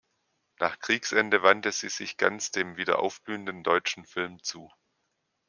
Nach Kriegsende wandte sie sich ganz dem wieder aufblühenden deutschen Film zu.